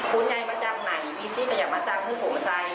คุณใหญ่มาจากไหนพี่สิก็อยากมาสร้างพื้นโขมไซม์